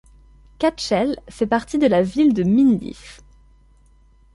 Katchel fait partie de la ville de Mindif.